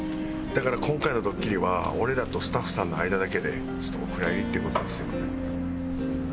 だから今回のドッキリは俺らとスタッフさんの間だけでちょっとお蔵入りっていう事ですみません。